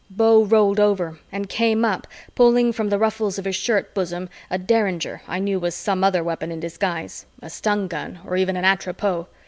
Beau rolled over and came up pulling from the ruffles of his shirt bosom a derringer I knew was some other weapon in disguise a stun gun or even an Atropos.